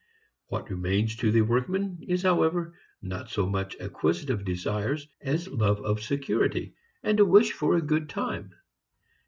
What remains to the workman is however not so much acquisitive desires as love of security and a wish for a good time.